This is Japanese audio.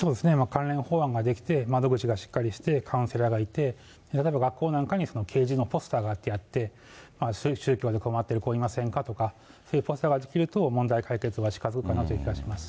関連法案が出来て、窓口がしっかりして、カウンセラーがいて、学校なんかに啓示のポスターが貼ってあって、そういう宗教に困っている子はいませんか？とかポスターができると、問題解決が近づくかなという気がします。